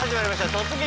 「突撃！